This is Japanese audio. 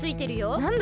なんだ？